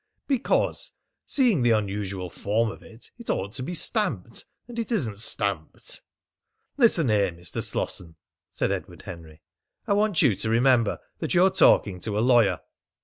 "Because, seeing the unusual form of it, it ought to be stamped, and it isn't stamped." "Listen here, Mr. Slosson," said Edward Henry, "I want you to remember that you're talking to a lawyer."